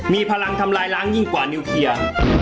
มีพลังทำลายล้างยิ่งกว่านิวเคลียร์